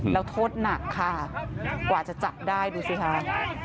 แล้วโทษหนักค่ะกว่าจะจับได้ดูสิคะ